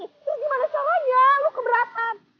itu gimana caranya lo keberatan